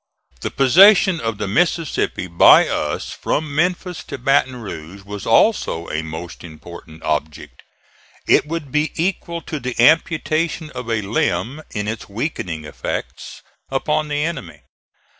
The possession of the Mississippi by us from Memphis to Baton Rouge was also a most important object. It would be equal to the amputation of a limb in its weakening effects upon the enemy.